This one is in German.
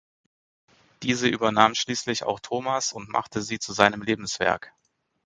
Diese übernahm schließlich auch Thomas und machte sie zu seinem Lebenswerk.